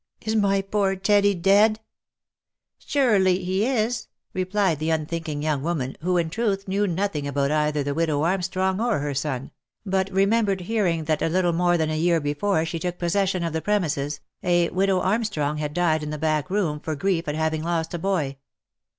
Is my poor Teddy dead V " Sure ly he is," replied the unthinking young woman, who, in truth, knew nothing about either the widow Armstrong or her son, but remembered hearing that a little more than a year before she took possession of the premises, a widow Armstrong had died in the back room, for grief at having lost a boy.